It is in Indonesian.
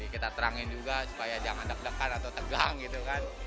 kita terangin juga supaya jangan deg degan atau tegang gitu kan